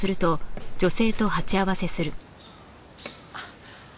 あっ。